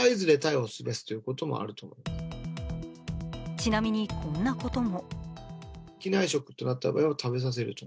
ちなみにこんなことも。